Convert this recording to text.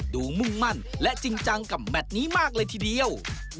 มุ่งมั่นและจริงจังกับแมทนี้มากเลยทีเดียว